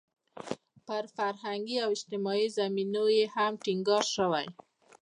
پر فرهنګي او اجتماعي زمینو یې هم ټینګار شوی.